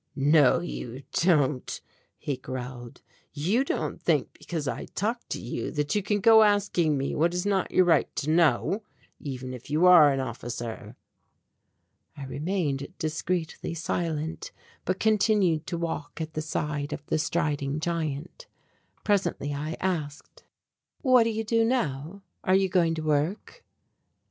"No you don't," he growled, "you don't think because I talk to you, that you can go asking me what is not your right to know, even if you are an officer?" I remained discreetly silent, but continued to walk at the side of the striding giant. Presently I asked: "What do you do now, are you going to work?"